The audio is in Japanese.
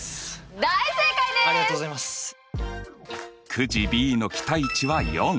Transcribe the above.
くじＢの期待値は４。